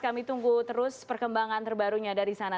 kami tunggu terus perkembangan terbarunya dari sana